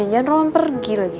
nyanyian roman pergi lagi